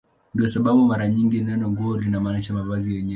Ndiyo sababu mara nyingi neno "nguo" linamaanisha mavazi yenyewe.